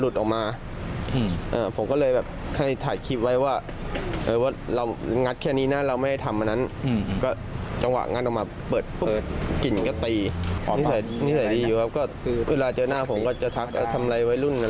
ทำอะไรไว้รุ่นอะไรอย่างนี้